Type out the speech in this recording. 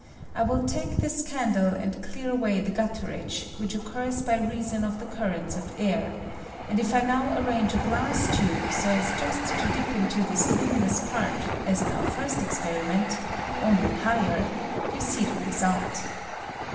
I will take this candle and dear away the gutterage, which occurs by rea son of the currents of air ; and if I now arrange a glass tube so as just to dip into this luminous part, as in our first experiment, only higher, yon see the result.